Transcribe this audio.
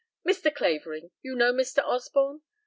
Mr. Clavering, you know Mr. Osborne?